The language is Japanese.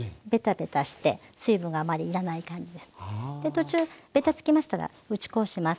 途中べたつきましたら打ち粉をします。